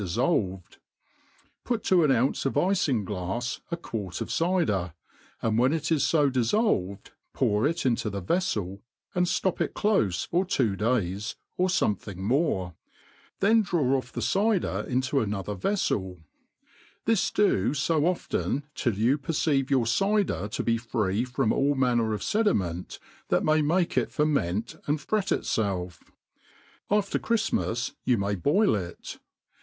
4ifii|)yc^|.pu4:^> ^n ounce of ifin glafs a quart of cyder, and when it is fo diflfolved,^ pour it into the veflel, and ftop it clofe for two days, or fomething more ; then draw, off the cyder into anothjcr veflbl : t^i» do fo often till you perceive your c^der to be free from aU manner of fedi ,* ment, that may m^ke it ferment and fret itfelf : after Chrift*' mas you may boil it.